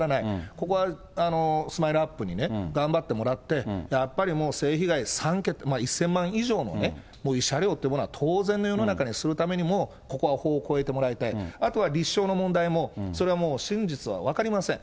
ここはスマイルアップにね、頑張ってもらって、やっぱり性被害、３桁、１０００万以上の慰謝料というものは当然の世の中にするためにも、ここは法を超えてもらいたい、あとは立証の問題もそれはもう真実は分かりません。